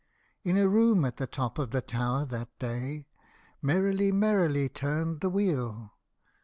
In a room at the top of the tower that day Merrily, merrily turned the wheel